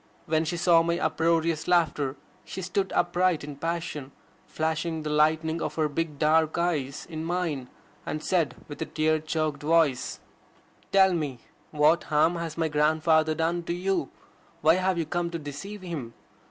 When she saw my uproarious laughter she stood upright in passion, flashing the lightning of her big dark eyes in mine, and said with a tear choked voice: "Tell me! What harm has my grandfather done to you? Why have you come to deceive him?